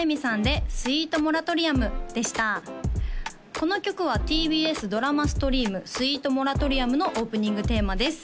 この曲はＴＢＳドラマストリーム「スイートモラトリアム」のオープニングテーマです